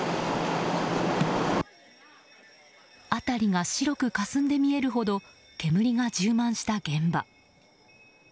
辺りが白くかすんで見えるほど煙が充満した現場。